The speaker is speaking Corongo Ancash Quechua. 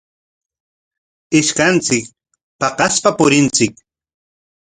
Ishkanchik paqaspa purinchik.